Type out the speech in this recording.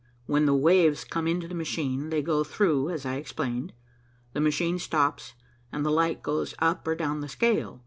"When the waves come into the machine, they go through as I explained, the machine stops, and the light goes up or down the scale.